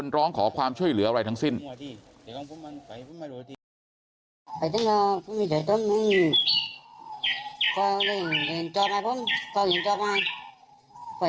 ตอนที่เราเข้าไปช่วยเนี่ยตอนนั้นคือรถมันถูกถงไปบ้างแล้ว